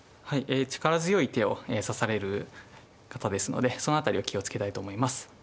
え力強い手を指される方ですのでその辺りを気を付けたいと思います。